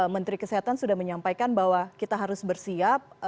menteri kesehatan sudah menyampaikan bahwa kita harus bersiap